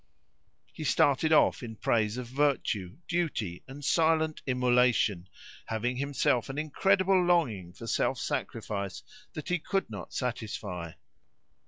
He started off in praise of virtue, duty, and silent immolation, having himself an incredible longing for self sacrifice that he could not satisfy.